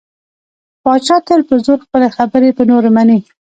پاچا تل په زور خپلې خبرې په نورو مني .